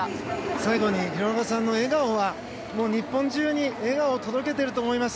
最後に廣中さんの笑顔は日本中に笑顔を届けていると思います。